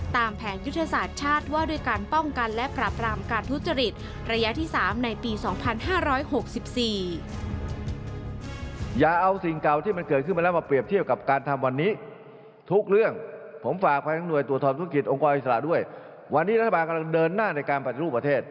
ตามแผนยุทธศาสตร์ชาติว่าด้วยการป้องกันและปรับรามการทุจริต